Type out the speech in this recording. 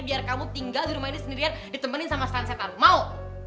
biar kamu tinggal di rumah ini sendirian ditemenin sama sunsetan mau